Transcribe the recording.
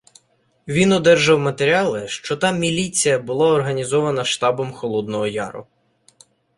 Він одержав матеріали, що та "міліція" була організована штабом Холодного Яру.